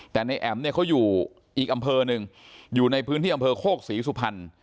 แต่ในแอ๋มเนี่ยเขาอยู่อีกอำเภอหนึ่งอยู่ในพื้นที่อำเภอโคกศรีสุพรรณ